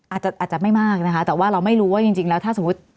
อาจจะอาจจะไม่มากนะคะแต่ว่าเราไม่รู้ว่าจริงแล้วถ้าสมมุติ